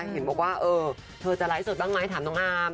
เห็นบอกว่าเธอจะไลฟ์สดบ้างไหมถามน้องอาร์ม